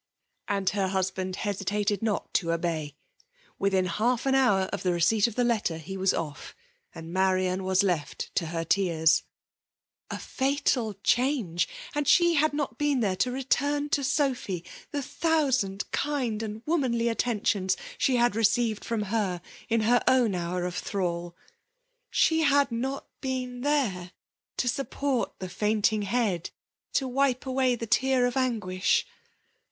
And her husband hesitated not to obey. Within half an hour of the receipt of the letter, he was off; and Marian was left to her tears. " A fatal change !*' and she had not been there to return to Sophy the thousand kind and womanly attentions she had received from her in her own hour of thrall. She had not been there to support the fainting head, to wipe away the tear of anguish.